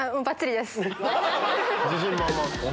自信満々！